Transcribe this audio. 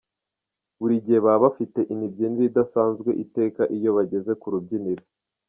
Buri gihe baba bafite imibyinire idasanzwe iteka iyo bageze ku rubyiniro.